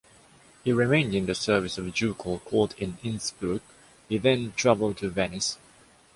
He remained in the service of the ducal court in Innsbruck; he then traveled to Venice.